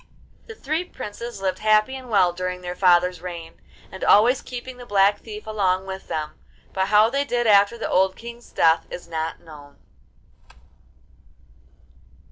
The three princes lived happy and well during their father's reign, and always keeping the Black Thief along with them; but how they did after the old King's death is not known.